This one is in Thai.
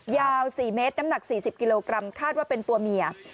ยาว๔เมตรน้ำหนัก๔๐กิโลกรัมคาดว่าเป็นตัวเมีย